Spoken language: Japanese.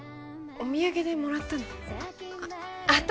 お土産でもらったのあっ